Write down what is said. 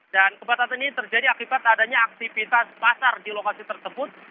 dan kepadatan ini terjadi akibat adanya aktivitas pasar di lokasi tersebut